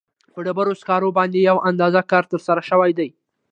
په ډبرو سکرو باندې یو اندازه کار ترسره شوی دی.